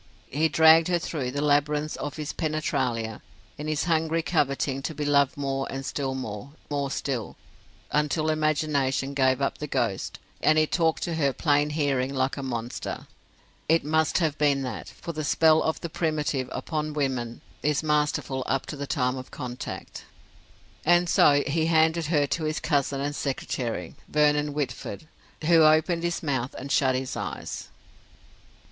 He dragged her through the labyrinths of his penetralia, in his hungry coveting to be loved more and still more, more still, until imagination gave up the ghost, and he talked to her plain hearing like a monster. It must have been that; for the spell of the primitive upon women is masterful up to the time of contact. "And so he handed her to his cousin and secretary, Vernon Whitford, who opened his mouth and shut his eyes."